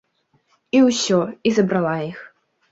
І ўсё, і забрала іх.